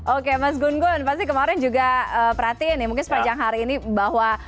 oke mas gun gun pasti kemarin juga perhatiin nih mungkin sepanjang hari ini bahwa